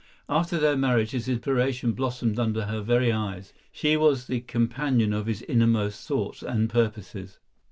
After their marriage his inspiration blossomed under her very eyes. She was the companion of his innermost thoughts and purposes.